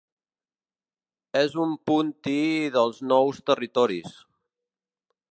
És un 'punti' dels Nous Territoris.